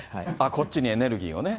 こっちにエネルギーをね。